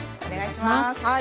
お願いします！